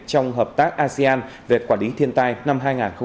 trong hợp tác asean về quản lý thiên tai năm hai nghìn hai mươi